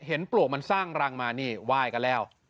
เห็นปลวกมันสร้างรังมาเนี่ยว่ายกันแล้ว